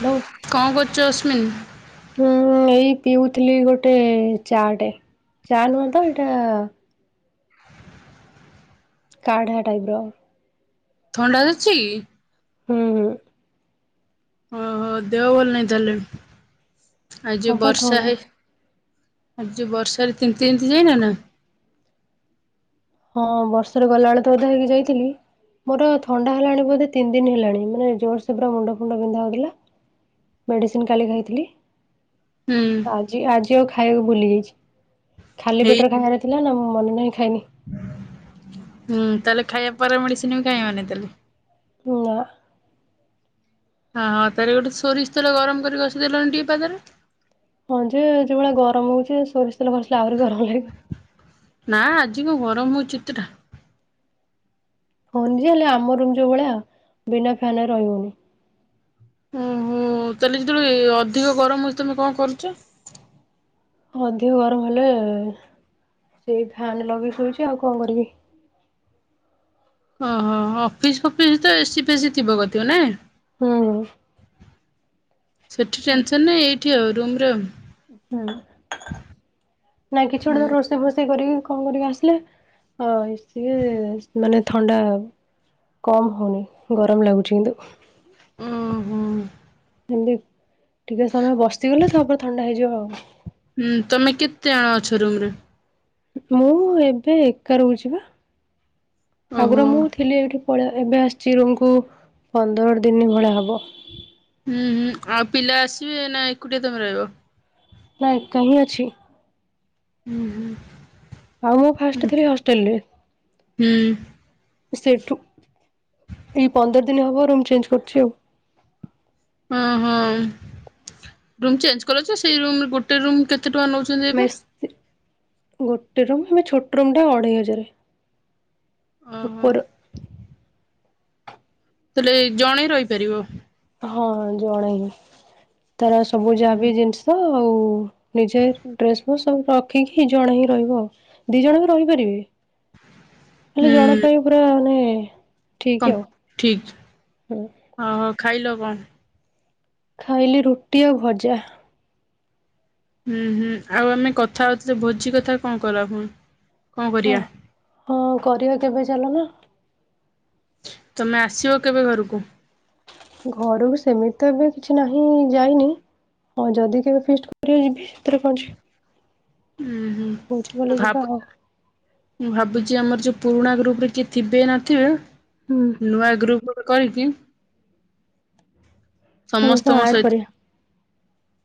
Hello କଣ କରୁଛ ଅଶ୍ମିିନ୍? ହୁଁ ଏଇ ପିଉଥିଲି ଗୋଟେ ଚାଟେ। ଚା ନୁହଁ ତ ଏଇଟା କାଢା ଟାଇପ୍ ର। ଥଣ୍ଡା ଧରିଛି କି? ହୁଁ, ହୁଁ। ଓହୋ, ଦେହ ଭଲ ନାଇଁ ତାହେଲେ? ହଁ ଆଜି ପା ବର୍ଷା ଥଣ୍ଡା ହେ ଆଜି ଯୋଉ ବର୍ଷାରେ ତିନ୍ତି ତିନ୍ତି ଯାଇନ ନା? ହଁ ବର୍ଷ ରେ ଗଲାବେଳେ ତ ଉଦା ହେଇକି ଯାଇଥିଲି। ମୋର ଥଣ୍ଡା ହେଲାଣି ବୋଧେ ତିନି ଦିନ ହେଲାଣି ମାନେ ଜୋରସେ ପୁରା ମୁଣ୍ଡ ଫୁଣ୍ଡ ବିନ୍ଧା ହଉଥିଲା। ମେଡ଼ିସିନ୍ କାଲି ଖାଇଥିଲି। ହୁଁ। ଜି-ଆଜି ଆଉ ଖାଇବାକୁ ଭୁଲି ଯାଇଛି। ଖାଲି ହେଇ ପେଟରେ ଖାଇବାର ଥିଲା ନା ମୁଁ ମନେ ନାହିଁ ଖାଇନି। ହୁଁ, ତାହେଲେ ଖାଇବା ପର ମେଡିସିନ୍ ବି ଖାଇବନି ତାହେଲେ? ନା। ହଁ, ହଁ ତାହେଲେ ଗୋଟେ ସୋରିଷ ତେଲ ଗରମ କରି ଘଷି ଦେଲଣି ଟିକେ ପାଦରେ। ହଁ ଯେ ଯୋଭଳିଆ ଗରମ ହଉଛି ଏ ସୋରିଷ ତେଲ ଘଷିଲେ ଆହୁରି ଗରମ ଲାଗିବ। ନା ଆଜି କଣ ଗରମ ହଉଛି ଏତେଟା। ହଁ ଯେ ହେଲେ ଆମ ରୁମ୍ ଯୋଉ ଭଳିଆ ବିନା ଫ୍ୟାନ୍ ରେ ରହି ହଉନି। ଓହୋ! ତାହେଲେ ଯେତେବେଳେ ଏ ଅଧିକ ଗରମ ହଉଛି ତୋମେ କଣ କରୁଛ? ଅଧିକ ଗରମ ହେଲେ ସେଇ ଫ୍ୟାନ୍ ଲଗେଇ ଶୁଉଛି ଆଉ କଣ କରିବି। ଓହୋ, ଅଫିସ୍ ଫଫିସ୍ ତ ଏସିି ଫେଶି ଥିବ କଥିବ ନାଇଁ? ହଁ। ସେଠି ଟେନସନୂ ନାହିଁ, ଏଇଠି ଆଉ ରୁମ୍ ର। ହୁଁ, ନା କିଛି ଗୋଟେ ହୁଁ ଧର ରୋଷେଇ ଫୋଷେଇ କରିକି କଣ କରିକି ଆସିଲେ ଆଇ ସିଏ ମାନେ ଥଣ୍ଡା ହବ। କମ୍ ହଉନି ଗରମ ଲାଗୁଛି କିନ୍ତୁ। ଉଁ, ହୁଁ। ଏମତି ଟିକେ ସମୟ ବସିଗଲେ ତାପରେ ଥଣ୍ଡା ହେଇଯିବ ଆଉ। ହୁଁ, ତୋମେ କେତେ ଜଣ ଅଛ ରୁମ୍ ରେ? ମୁଁ ଏବେ ଏକା ରହୁଛି ବା। ଓହୋ ଆଗରୁ ମୁଁ ଥିଲି ଏଇଠି ପଳେ, ଏବେ ଆସିଛି ରୁମ୍ କୁ ପନ୍ଦର ଦିନ ଭଳିଆ ହବ। ହୁଁ, ହୁଁ ଆଉ ପିଲା ଆସିବେ ନା ଏକୁଟିଆ ତୋମେ ରହିବ? ନାଇଁ ଏକା ହିଁ ଅଛି। ହୁଁ, ହୁଁ। ଆଉ ମୁଁ ଫାଷ୍ଟ ଥିଲି ହଷ୍ଟେଲ୍ ରେ। ହୁଁ। ସେଠୁ ଏଇ ପନ୍ଦର ଦିନ ହବ ରୁମ୍ ଚେଞ୍ଜ କରିଛି ଆଉ। ଓ ହଁ, ରୁମ୍ ଚେଞ୍ଜ କଲ ଯେ ସେଇ ରୁମ୍ ରେ ଗୋଟେ ରୁମ୍ କେତେ ଟଙ୍କା ନଉଛ ମେସି, ଗୋଟେ ରୁମ୍, ସେଟା ଛୋଟ ରୁମ୍ ଟା ଅଢ଼େଇ ହଜାରେ। ଓହୋ ଉପର। ତାହେଲେ ଏଇ ଜଣେ ରହିପାରିବ? ହଁ ଜଣେ ହିଁ, ତାର ସବୁ ଯାହା ବି ଜିନିଷ ଷ ଆଉ ନିଜେ ଡ୍ରେସ୍ ଫ୍ରେସ୍ ସବୁ ରଖିକି ଜଣେ ହିଁ ରହିବ ଆଉ। ଦି ଜଣ ବି ରହିପାରିବେ। [inaudible] ହେଲେ ଜଣ ପାଇଁ ପୁରା ମାନେ ଠିକ୍ କଣ ଆଉ ଠିକ ହୁଁ ଅ ହଉ ଖାଇଲ କଁ। ଖାଇଲି ରୁଟି ଆଉ ଭଜା ହୁଁ ହୁଁ ଆଉ ଆମେ କଥା ହଉଥିଲେ ଭୋଜି କଥା କଣ କଲ ହୁଁ। ହଁ ହଁ କରିବା କେବେ ଚାଲୁ ନ। ତମେ ଆସିବ କେବେ ଘରକୁ। ଘରକୁ ସେମିତି ଏବେ କିଛି ନାହିଁ ଯାଇନି। ଆଉ ଯଦି କେବେ ଫିଷ୍ଟ କରିବା ଯିବି ସେଥିରେ କଁ ଅଛି। ଉଁ ହୁଁ। ଭୋଜି ମୁଁ କଲେ ଯିବା ଭାବୁ ଆଉ। ମୁଁ ଭାବୁଛି ଆମର ଯୋଉ ପୁରୁଣା ଗ୍ରୁପ ରେ କିଏ ଥିବ ନଥିବେ। ହୁଁ। ନୂଆ ଗ୍ରୁପ ଗୋଟେ କରିକି। ସମସ୍ତଙ୍କୁ ସମସ୍ତଙ୍କ ଆଡ୍ ସହିତ କରିବା।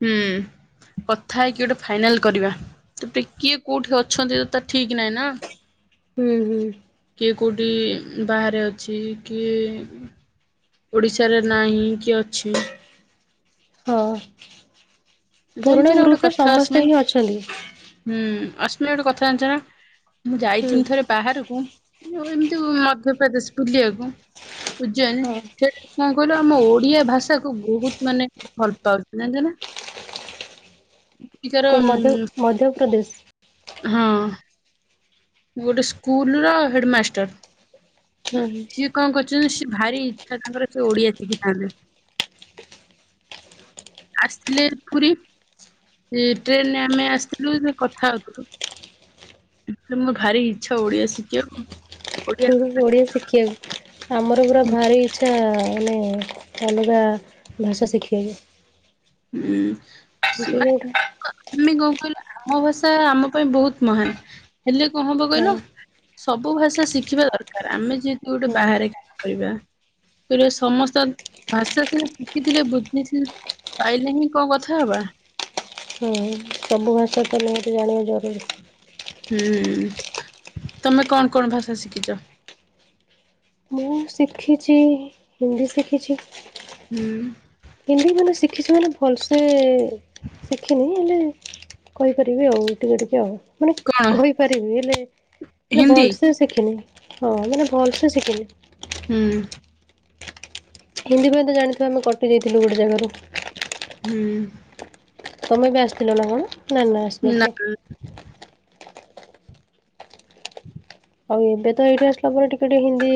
ହୁଁ। କଥା ହେଇକି ଗୋଟେ ଫାଇନାଲ କରିବା ତ କିଏ କୋଉଠି ଅଛନ୍ତି ତ ତା ଠିକ୍ ନାହିଁ ନା। ହୁଁ ହୁଁ। କିଏ କୋଉଠି ବାହାରେ ଅଛି କିଏ। ଓଡ଼ିଶାରେ ନାହିଁ କି ଅଛି। ହଉ ଜାଣିଛ ପୁରୁଣା ନା ଗୋଟେ ଗ୍ରୁପରେ କଥା ସମସ୍ତେ ଅସ୍ମିନ୍ ହିଁ ଅଛନ୍ତି। ହୁଁ ଅଶ୍ମିତା ଗୋଟେ କଥା ଜାଣିଛ ନା ମୁଁ ହୁଁ ଯାଇିଥିଲି ଥରେ ବାହାରକୁ। ଆଉ ଏମିତି ମଧ୍ୟପ୍ରଦେଶ ବୁଲିବାକୁ ଉଜ୍ଜୟନ। ହଁ କଁ କହିଲୁ ଆମ ଓଡିଆ ଭାଷା କୁ ବହୁତ ମାନେ ଭଲ ପାଉଛନ୍ତି ଜାଣିଛ ନା। ସେଠିକାର ଉଁ, କୋଉଠି ମଧ୍ୟ ମଧ୍ୟ ପ୍ରଦେଶ। ହଁ। ଗୋଟେ ସ୍କୁଲ ର ହେଡମାଷ୍ଟର। ହୁଁ। ସିଏ କଣ କରୁଛନ୍ତି ସେ ଭାରି ଇଚ୍ଛା ତାଙ୍କର ସେ ଓଡିଆ ସିଖିଥାନ୍ତେ। ଆସିଥିଲେ ପୁରୀ ସେ ଟ୍ରେନରେ ଆମେ ଆସିଥିଲୁ ସେ କଥା ହଉଥିଲୁ। କହିଲେ ମୋର ଭାରି ଇଚ୍ଛା ଓଡିଆ ଶିଖିବାକୁ। ଓଡିଆ ହୁଁ ଆମେ ହୁଁ ଓଡ଼ିଆ ଶିଖିବାକୁ ଆମର ପୁରା ଭାରି ଇଚ୍ଛା। ମାନେ ଅଲଗା ଭାଷା ଶିଖିବାକୁ। ହୁଁ। [unintelligible] ମାନେ କଣ କହିଲ ଆମ ଭାଷା ଆମ ପାଇଁ ବହୁତ ମହାନ ହେଲେ କଁ ହବ ହଁ କହିଲ। ସବୁ ଭାଷା ଶିଖିବା ଦରକାର ଆମେ ଯେହେତୁ ଗୋଟେ ହୁଁ ବାହାରେ କାମ କରିବା। ସେଥିରେ ସମସ୍ତ ଭାଷା ସିନା ଶିଖିଥିଲେ ବୁଝିଥିଲେ। ପାଇଲେ ହିଁ କଁ କଥା ହେବା। ହୁଁ। ସବୁ ଭାଷା ତାହେଲେ ମୋତେ ଜାଣିବା ଜରୁରୀ। ହୁଁ ତମେ କଣ କଣ ଭାଷା ଶିଖିଛ। ମୁଁ ଶିଖିଛି ହିନ୍ଦୀ ଶିଖିଛି। ହୁଁ। ହିନ୍ଦୀ ମାନେ ଶିଖିଛି ମାନେ ଭଲସେ ଶିଖିନି ହେଲେ। କହିପାରିବି ଆଉ ଟିକେ ଟିକେ ଆଉ ମାନେ କଣ କହିପାରିବି ହେଲେ ହେଲେ ହିନ୍ଦୀ ଭଲସେ ସି ଶିଖିନି ହଁ ମାନେ ଭଲସେ ଶିଖିନି। ହୁଁ। ହିନ୍ଦୀ ଜଦି ଜାଣିଥିବା ଆମେ କଟି ଯାଇଥିଲୁ ଗୋଟେ ଜାଗାରୁ। ହୁଁ। ତମେ ଏବେ ଆସିଥିଲ ନା କଣ ନା ନାଁ ନା ଆସିନଥିଲ। [inaudible] ଆଉ ଏବେ ତ ଏଇଠି ଆସିଲା ପରେ ଟିକେ ଟିକେ ହିନ୍ଦୀ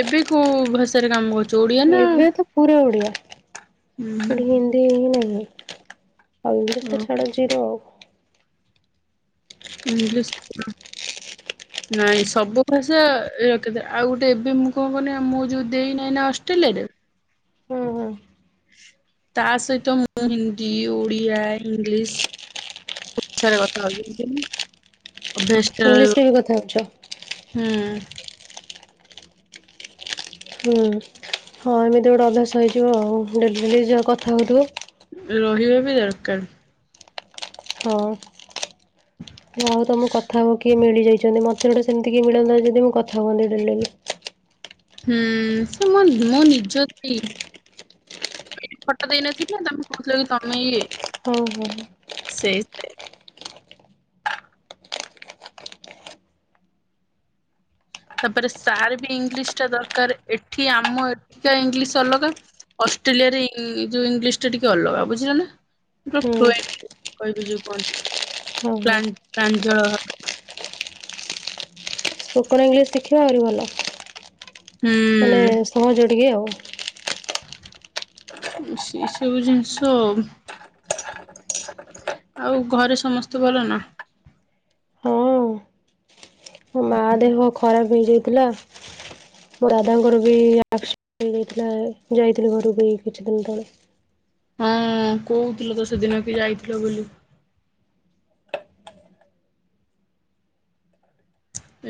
ଏବେ କୋଉ ଭାଷାରେ କାମ କରୁ ଏବେ ତ ପୁରା ଓଡିଆ ସେଠ ହିନ୍ଦୀ ହିଁ ନାହିଁ। ଆଉ ଇଂଲିଶ ତ ଓ ଛାଡ ଜିରୋ ଆଉ। ଇଙ୍ଗଲିସ ନାଇଁ ସବୁ ଭାଷା ରଖିଥାଏ ଆଉ ଗୋଟେ ଏବେ ମୁଁ କଣ କନି ମୁଁ ଯୋଉ ଦେଇନାହିଁ ନା ଅଷ୍ଟ୍ରେଲିଆରେ ହଁ ହଁ ତା ସହିତ ମୁଁ ହିନ୍ଦୀ ଓଡ଼ିଆ ଇଂଲିଶ ପଛରେ କଥା [unintelligible] ଅଭ୍ୟାସ ହୁଁ। ଇଂଲିଶରେ ବି କଥା ହଉଛ ହୁଁ ହଁ ଏମିତି ଗୋଟେ ଅଭ୍ୟାସ ହେଇଯିବ ଆଉ ଡେଲି ଡେଲି ଯା କଥା ହେଉଥିବ। ରହିବା ବି ଦରକାର। ହଁ। ଯାହା ହେଉ ତମ କଥା ହବ କିଏ ମିଳିଯାଇଛନ୍ତି ମତେ ଗୋଟେ ସେମିତି କିଏ ମିଳନ୍ତା ଯଦି ମୁଁ କଥା ହୁଅନ୍ତି ଡେଲି ଡେଲି। ହୁଁ ସେ ମୋ ନିଜ ଦି ଏ ଫଟା ଦେଇନଥିଲି ନା ତମେ କହୁଥିଲ କି ତମେ ଇଏ। ହୋଉ ହୋଉ। ସେଇ [unintelligible] ତାପରେ ସାର୍ ବି ଇଂଲିଶ ଟା ଦରକାର ଏଠି ଆମ ଏଠିକା ଇଂଲିଶ ଅଲଗା। ଅଷ୍ଟ୍ରେଲିଆରେ ଯୋଉ ଇଂଲିଶ ଟା ଟିକେ ଅଲଗା ବୁଝିଲ ନା। ହୁଁ [unintelligible] କହିବି ଯୋଉ କୁହନ୍ତି ହଁ ହଁ। ପ୍ରାଞ୍ଜଳ ଭାବେ। ସ୍ପୋକନ ଇଂଲିଶ ଶିଖିବା ଆହୁରି ଭଲ ମାନେ ହୁଁ ସହଜ ଟିକେ ଆଉ। ଏ ସବୁ ଜିନିଷ ଆଉ ଘରେ ସମସ୍ତେ ଭଲ ନା? ହଁ। ମୋ ମା ଦେହ ଖରାପ ହେଇଯାଇଥିଲା। ମୋ ଦାଦାଙ୍କର ବି ଆକସିଡେଣ୍ଟ ହେଇଥିଲା ଯାଇଥିଲି ଯାଇଥିଲି ଘରକୁ କିଛି ଦିନ ତଳେ। ହଁ କହୁଥିଲ ତ ସେଦିନ ବି ଯାଇଥିଲ ବୋଲି।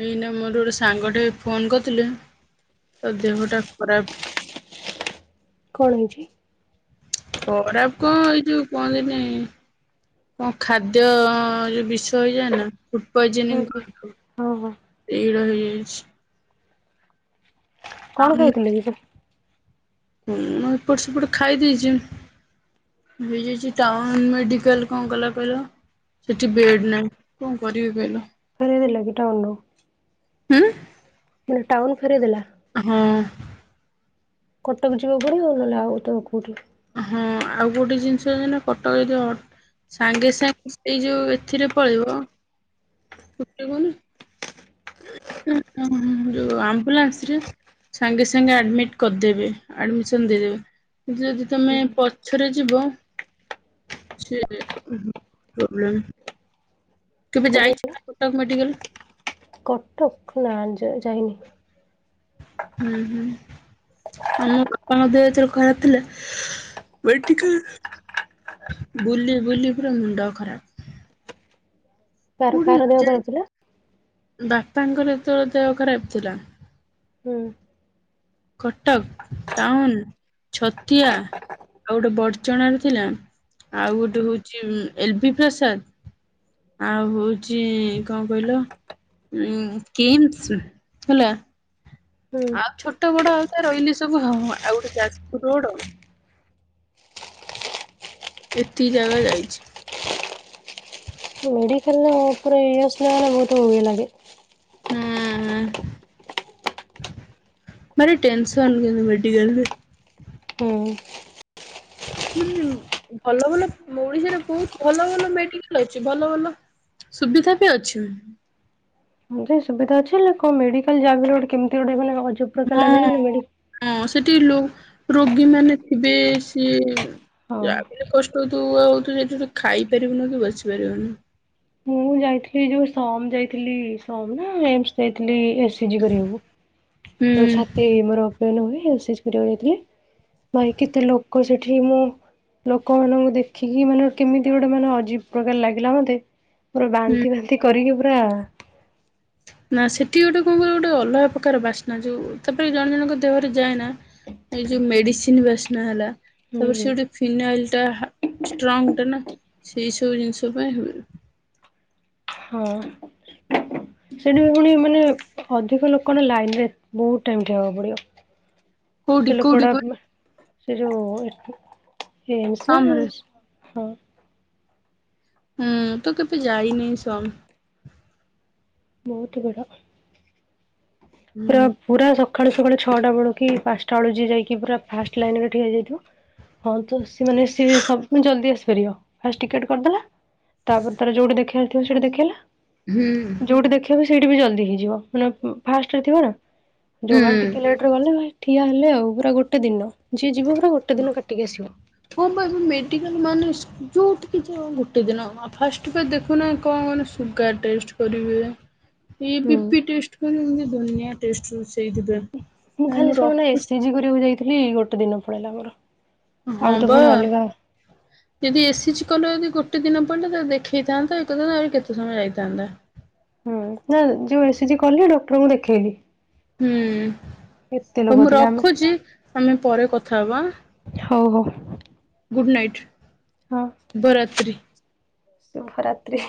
ଏଇନା ମୋର ଗୋଟେ ସାଙ୍ଗଠେ ଫୋନ କରିଥିଲେ ତା ଦେହଟା ଖରାପ କଣ ହେଇଛି? ଖରାପ କଁ ଏଇ ଯୋଉ କୁହନ୍ତି ନି କଣ ଖାଦ୍ୟ ଯୋଉ ବିଷ ହେଇଯାଏ ନା। ଫୂଡ଼ ହୁଁ ପଇଜନିଂ ହୁଁ ହଁ ହଁ ଏଇରା ହେଇଯାଇଛି। କଣ ଖାଇଥିଲେ କି ସେ? ହୁଁ ମୁଁ ଏପଟ ସେପଟ ଖାଇ ଦେଇଛି। ହେଇଯାଇଛି ଟାଉନ ମେଡିକାଲ କଣ କଲା କହିଲ? ସେଠି ବେଡ଼୍ ନାହିଁ କଣ କରିବି କହିଲ? ଫେରେଇଦେଲା କି ଟାଉନ ରୁ? ହୁଁ ମାନେ ଟାଉନ ଫେରେଇଦେଲା। ହଁ। କଟକ ଯିବାକୁ ପଡିବ ନହଲେ ଆଉ ତ କୋଉଠି। ହଁ ଆଉ ଗୋଟେ ଜିନିଷ ହେଲା କଟକ ଯଦି ଅ ସାଙ୍ଗେ ସାଙ୍ଗେ ସେଇ ଯୋଉ ଏଥିରେ ପଳେଇବ କୋଉଥିରେ କୁହନି [unintelligible] ଯୋଉ ଅମୁଲାନ୍ସ ରେ ସାଙ୍ଗେ ସାଙ୍ଗେ ଆଡମିଟ କରିଦେବେ ଆଡମିସନ ଦେଇଦେବେ ଯଦି ତୁମେ ପଛରେ ଯିବ ସିଏ ପ୍ରୋବ୍ଲେମ କେବେ କୋଉଠି ଯାଇଛ କହିଲ ନା କଟକ ମେଡିକାଲ କଟକ ନା ଜାଯାଇନି ହୁଁ ହୁଁ ଆମ ବାପାଙ୍କ ଦେହଥର ଯେତେବେଳେ ଖରାପ ଥିଲା ଏଠିକ ବୁଲି ବୁଲି ପୁରା ମୁଣ୍ଡ ଖରାପ କାର କାର ଦେହ ଖରାପ ଥିଲା [unintelligible] ବାପାଙ୍କର ଯେତେବେଳେ ଦେହ ଖରାପ ଥିଲା ହୁଁ କଟକ ଟାଉନ ଛତିଆ ଆଉ ଗୋଟେ ବଡଚଣା ରେ ଥିଲା ଆଉ ଗୋଟେ ହଉଛି ଉ ଏଲ ବି ପ୍ରସାଦ ଆଉ ହଉଛି କଣ କହିଲ ଉ କିମ୍ସ ହେଲା ଆଉ ହୁଁ ଛୋଟ ବଡ ଆଉ ତା ରହିଲେ ସବୁ ହଁ ଆଉ ଗୋଟେ ଯାଜପୁର ରୋଡ ଆଉ ଏତିକି ଜାଗା ଯାଇଛି ମେଡିକଲ ଆ ଉପରେ ଇମୋସନାଲ ବହୁତ ଇଏ ଲାଗେ ହୁଁ ହୁଁ ଭାରି ଟେନ୍ସନ କିନ୍ତୁ ମେଡିକାଲ ରେ ହୁଁ ହୁଁ ଭଲ ଭଲ ଓଡିଶାରେ ବହୁତ ଭଲ ଭଲ ମେଡିକାଲ ଅଛି ଭଲ ଭଲ ସୁବିଧା ବି ଅଛି ହଁ ଯେ ସୁବିଧା ଅଛି ହେଲେ କଣ ମେଡିକାଲ ଯା ବିହେଲେ ଗୋଟେ କେମତି ଗୋଟେ ଅଯବ ହଁ ହଁ ସେଠି ଲୋ ରୋଗୀମାନେ ଥିବେ ସିଏ ହଁ। ଯାହା ବି ହେଲେ କଷ୍ଟ ହଉ ହଉୁଠିୁ ଖାଇ ପାରିବୁନ କି ବସି ପାରିବୁନି ମୁଁ ଯାଇଥିଲି ଯୋଉ ସୋ ମ୍ ଯାଇଥିଲି ସୋମ୍ ନା ଏମସ ଯାଇଥିଲି ଏସ ସିଜି କରିବାକୁ ହୁଁ। ଯୋଉ ଛାତି ମୋର ଅପୟନ ହୁଏ ସିଝ କରିବାକୁ ଯାଇଥିଲେ ଭାଇ କେତେ ଲୋକ ସେଠି ମୁଁ ଲୋକ ମାନଙ୍କୁ ଦେଖିକି ମାନେ କେମିତି ଗୋଟେ ମାନେ ଅଜୀବ ପ୍ରକାର ଲାଗିଲା ମତେ ପୁର ହୁଁ ବାନ୍ତି ବାନ୍ତି କରିକି ପୁରା ନା ସେଠି ଗୋଟେ କଣ କର ଗୋଟେ ଅଲଗା ପ୍ରକାର ବାସ୍ନା ଯୋଉ ତାପରେ ଜଣେ ଜଣଙ୍କ ଦେହରେ ଯାଏ ନା ଏ ଯୋଉ ମେଡିସିନ ବାସନା ହେଲା ହୁଁ ତାପରେ ହୁଁ ସେ ଗୋଟେ ଫିନାଇଲ ଟା ହା ଷ୍ଟ୍ରଙ୍ଗ ଟା ନା ସେଇ ସବୁ ଜିନିଷ ପାଇଁ ହଁ [inaudible] ସେଠି ବି ପୁଣି ମାନେ ଅଧିକ ଲୋକଙ୍କ ଲାଇନ ରେ ବହୁତ ଟାଇମ ଠିଆବାକୁ ପଡିବ କୋଉଠି ସେ କୋଉଠି ଲୋକଡା କହିଲୁ ସେ ଯୋଉ ଏମ୍ସ ସମ୍ ରେ [unintelligible] ହଁ ହୁଁ ତ କେବେ ଯାଇ ନହିଁ ସମ ବହୁତ ବୁଡ଼ [inaudible] ପୁରା ପୁରା ସକାଳୁ ସକାଳୁ ଛଅଟା ବେଳ କି ପାଞ୍ଚଟା ବେଳୁ ଯେ ଯାଇକି ପୁରା ଫାଷ୍ଟ ଲାଇନ ରେ ଠିଆଯାଇଥିବ ହଁ ତ ସିମାନେ ସିଜଲ୍ଦି ଆସିପାରିବ ଫାଷ୍ଟ ଟିକେଟ କରିଦେଲା ତାପରେ ତାର ଯୋଉଠି ଦେଖେଇ ବାର ଥିବ ସେଠି ଦେଖେଇଲା ହୁଁ ଯୋଉଠି ଦେଖ ସେଇଠି ବି ଜଲ୍ଦି ହେଇଯିବ ମାନେ ଫାଷ୍ଟ ରେ ଥିବ ନା ଯୋଉମାନେ ହୁଁ। ଟିକେ ଲେଟରେ ଗଲେ ଠିଆ ହେଲେ ଆଉ, ପୁରା ଗୋଟେ ଦିନ, ଯିଏ ଯିବ ପୁରା ଗୋଟେ ଦିନ କାଟିକି ଆସିବ। ହଁ ପା, ମେଡିକାଲ ମାନେ ଯଉଠିକି ଯାଅ, ଗୋଟେ ଦିନ, ଫାଷ୍ଟ ବା ଦେଖୁନା କଣ ମାନେ ସୁୁଗାର୍ ଟେଷ୍ଟ କରିବେ। ଏ ହୁଁ ବି ପି ଟେଷ୍ଟ କରିବେ, ଏମିତି ଦୁନିଆଁ ଟେଷ୍ଟ ହୁଏ ସେଇଥି ପାଇଁ। ମୁଁ ଖାଲି ଶୁଣୁନା, ଏସ୍ ଇ ଜି କରିବାକୁ ଯାଇଥିଲି, ଗୋଟେ ଦିନ ପଳେଇଲା ମୋର। ଆଉ ହଁ ତ ବା। ପୁଣି ଅଲଗା ଯଦି ଏସିଜି କଲ ଯଦି ଗୋଟେ ଦିନ ପଡ଼ିଲେ, ତା ଦେଖେଇଥାନ୍ତ, ଇଏ କରିଥାନ୍ତ, ଆହୁରି କେତେ ସମୟ ଯାଇଥାନ୍ତା? ହୁଁ, ନା ଯୋଉ ଏସିଜିି କଲି, ଡକ୍ଟରଙ୍କୁ ଦେଖେଇଲି। ହୁଁ, ଏତେ ହଉ ଲୋକ ମୁଁ ଥିଲେ ଆମେ। ରଖୁଚି, ଆମେ ପରେ କଥା ହବା ଆଁ। ହଉ ହଉ। ଗୁଡ଼ ନାଇଟ୍। ଶୁଭ ରାତ୍ରି। ଶୁଭ ରାତ୍ରି।